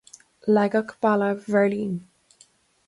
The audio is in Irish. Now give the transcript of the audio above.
Leagadh Balla Bheirlín.